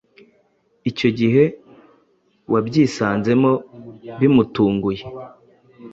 icyo gihe wabyisanzemo bimutunguye